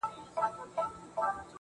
د نورو د ستم په گيلاسونو کي ورک نه يم